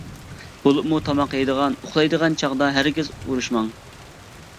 بولۇپمۇ تاماق يەيدىغان، ئۇخلايدىغان چاغدا ھەرگىز ئۇرۇشماڭ.